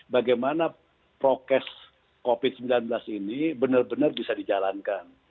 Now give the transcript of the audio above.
bagaimana prokes covid sembilan belas ini benar benar bisa dijalankan